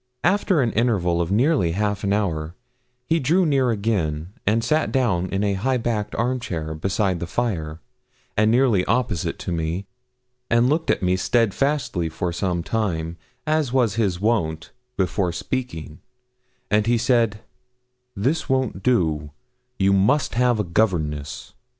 After an interval of nearly half an hour, he drew near again, and sat down in a high backed arm chair, beside the fire, and nearly opposite to me, and looked at me steadfastly for some time, as was his wont, before speaking; and said he 'This won't do you must have a governess.'